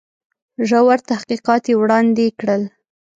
ژور تحقیقات یې وړاندي کړل.